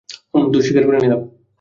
হুম, দোষ স্বীকার করে নিলাম।